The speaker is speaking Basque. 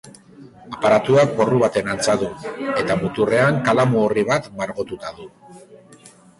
Aparatuak porru baten antza du, eta muturrean kalamu orri bat margotuta du.